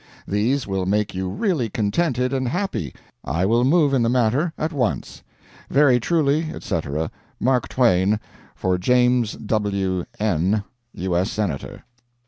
These will make you really contented and happy. I will move in the matter at once. 'Very truly, etc., Mark Twain, 'For James W. N , U. S. Senator.'